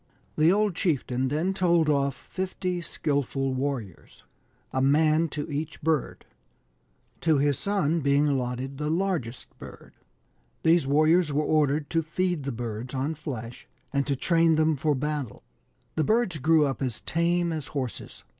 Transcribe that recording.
The old chieftain then told off fifty skilful warriors,. a man to each bird, to his son being allotted the largest bird. These warriors were ordered to feed the birds on flesh, and to train them for battle. The birds grew up as tame as horses.